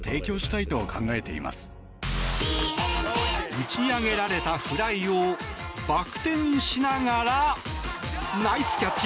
打ち上げられたフライをバック転しながらナイスキャッチ。